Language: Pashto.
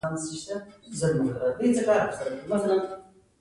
هغه غوښتل له دغه ستر مخترع سره شريک کاروبار پيل کړي.